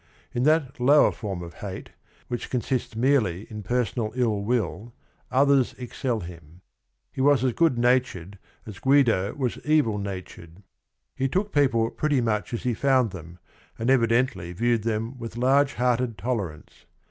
In that lower form of hate which consists merely in per sonal ill will, others excel him. He was as good natured as Guido was evil natured. He took people pretty much as he found them and evi dently viewed them with large hearted tolerance.